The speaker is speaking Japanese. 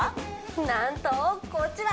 なんとこちら！